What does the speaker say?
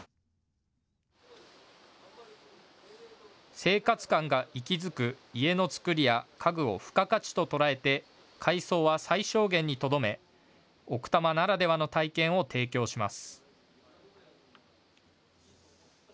生活感が息づく家の造りや家具を付加価値と捉え、改装は最小限にとどめ奥多摩ならではの体験を提供します。